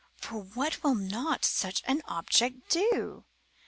For what will not such an object do?